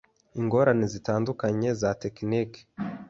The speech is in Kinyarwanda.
Ingorane zitandukanye za tekiniki